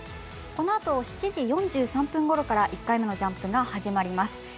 このあと７時４３分ごろから１回目のジャンプが始まります。